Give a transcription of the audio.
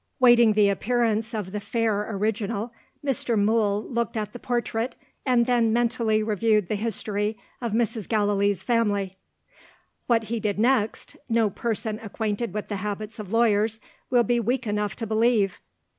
Waiting the appearance of the fair original, Mr. Mool looked at the portrait, and then mentally reviewed the history of Mrs. Gallilee's family. What he did next, no person acquainted with the habits of lawyers will be weak enough to believe.